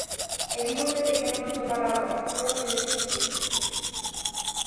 E di vostede que non só palabras, eu voulle dicir feitos.